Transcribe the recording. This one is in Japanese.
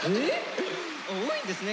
多いんですね